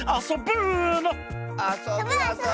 あそぶあそぶ！